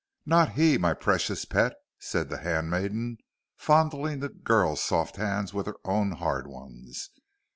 "Not he, my precious pet," said the handmaiden, fondling the girl's soft hands within her own hard ones.